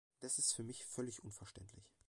Das ist für mich völlig unverständlich.